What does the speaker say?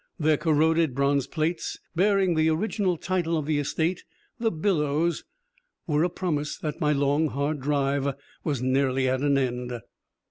Their corroded bronze plates, bearing the original title of the estate, "The Billows," were a promise that my long, hard drive was nearly at an end.